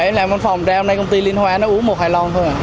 giờ em làm văn phòng ra hôm nay công ty linh hoa nó uống một hai lon thôi à